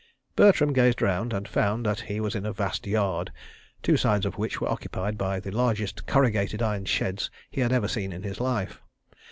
Bertram gazed around, and found that he was in a vast yard, two sides of which were occupied by the largest corrugated iron sheds he had ever seen in his life.